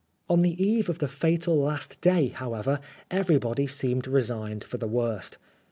On the eve of the fatal last day, however, everybody seemed resigned for the worst.